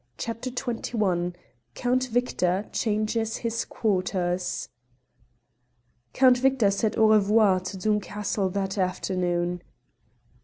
CHAPTER XXI COUNT VICTOR CHANGES HIS QUARTERS Count Victor said Au revoir to Doom Castle that afternoon.